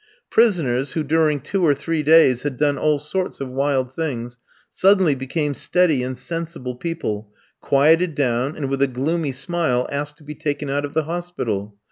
Prisoners, who during two or three days had done all sorts of wild things, suddenly became steady and sensible people, quieted down, and, with a gloomy smile, asked to be taken out of the hospital.